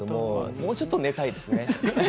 もうちょっと寝たいですね。